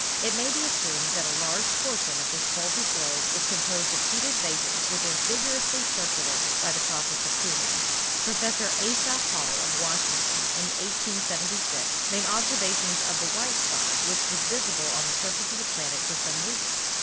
It may be assumed that a large proportion of this bulky globe is composed of heated vapors which are vigorously circulated by the process of cooling. Professor Asaph Hall, of Washington, in 1876 made ob servations of the white spot which was visible on the sur face of the planet for some weeks.